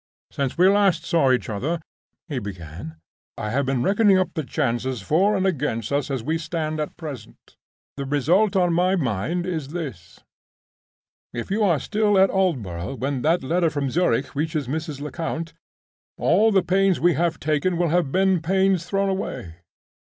"Since we last saw each other," he began, "I have been reckoning up the chances for and against us as we stand at present. The result on my own mind is this: If you are still at Aldborough when that letter from Zurich reaches Mrs. Lecount, all the pains we have taken will have been pains thrown away.